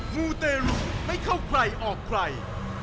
มูเตรุไม่เข้าใครออกใคร